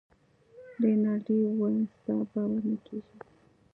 رینالډي وویل ستا باور نه کیږي.